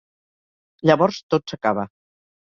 Llavors tot s'acaba.